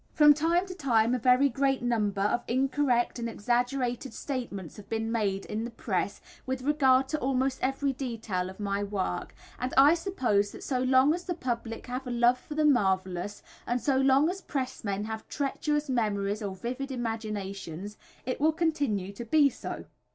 From time to time a very great number of incorrect and exaggerated statements have been made in the press with regard to almost every detail of my work, and I suppose that so long as the public have a love for the marvellous, and so long as press men have treacherous memories or vivid imaginations, it will continue to be so.